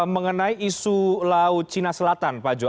mengenai isu laut cina selatan pak jo